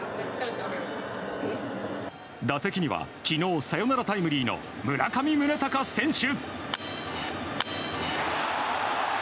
打席には昨日サヨナラタイムリーの村上宗隆選手。